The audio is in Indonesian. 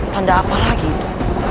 tanda apa itu